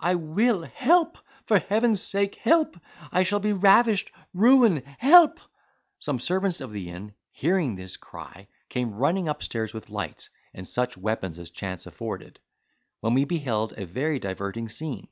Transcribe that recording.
I will! Help! for heaven's sake! help! I shall be ravished! ruined! help!" Some servants of the inn, hearing this cry, came running upstairs with lights, and such weapons as chance afforded; when we beheld a very diverting scene.